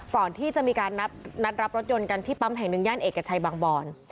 ก่อนที่จะมีการนัดรับรถยนต์กันที่ปั๊มแห่งหนึ่งย่านเอกชัยบางบอน